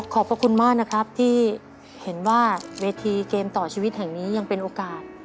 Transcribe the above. พระคุณมากนะครับที่เห็นว่าเวทีเกมต่อชีวิตแห่งนี้ยังเป็นโอกาส